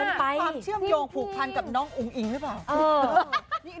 เป็นความเชื่อมโยงผูกพันกับน้องอุ้งอิงหรือเปล่า